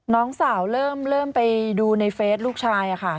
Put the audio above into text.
น้องสาวเริ่มไปดูในเฟสลูกชายค่ะ